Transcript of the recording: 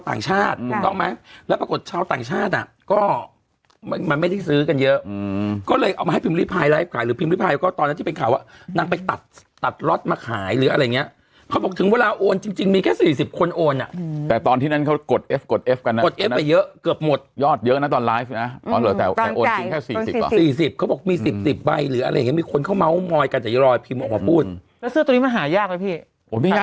ฟังสวัสดีคุณฟังสวัสดีคุณฟังสวัสดีคุณฟังสวัสดีคุณฟังสวัสดีคุณฟังสวัสดีคุณฟังสวัสดีคุณฟังสวัสดีคุณฟังสวัสดีคุณฟังสวัสดีคุณฟังสวัสดีคุณฟังสวัสดีคุณฟังสวัสดีคุณฟังสวัสดีคุณฟังสวัสดีคุณฟังสวัสดี